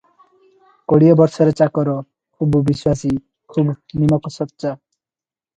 କୋଡ଼ିଏ ବର୍ଷର ଚାକର, ଖୁବ୍ ବିଶ୍ୱାସୀ, ଖୁବ୍ ନିମକସଚ୍ଚା ।